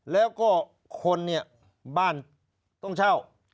แล้วก็คนเนี่ยบ้านต้องเช่า